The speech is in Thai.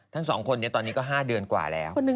ทั้ง๒คนนี้ตอนนี้ก็๕เดือนกว่าแล้ว